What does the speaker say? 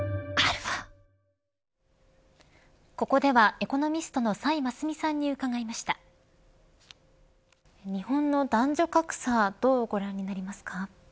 ここではエコノミストの崔真淑さんに伺いました日本の男女格差どうご覧になりますか。